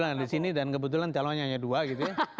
kebetulan disini dan kebetulan calonnya hanya dua gitu ya